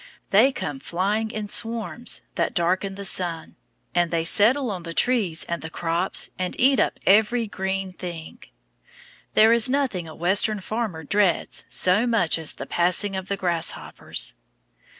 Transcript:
They come flying in swarms that darken the sun, and they settle on the trees and the crops and eat up every green thing. There is nothing a Western farmer dreads so much as the passing of the grasshoppers.